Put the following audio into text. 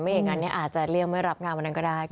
อย่างนั้นอาจจะเลี่ยงไม่รับงานวันนั้นก็ได้